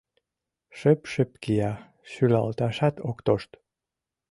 Шып-шып кия, шӱлалташат ок тошт.